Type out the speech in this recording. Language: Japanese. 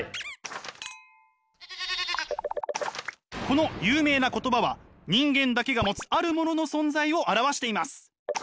この有名な言葉は人間だけが持つあるものの存在を表しています。